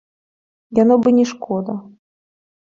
Яно б і не шкода.